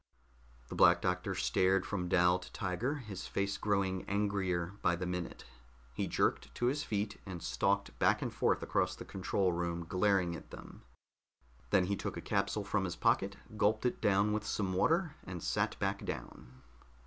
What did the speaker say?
The Black Doctor stared from Dal to Tiger, his face growing angrier by the minute. He jerked to his feet, and stalked back and forth across the control room, glaring at them. Then he took a capsule from his pocket, gulped it down with some water, and sat back down.